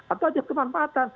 atau ajad kemanfaatan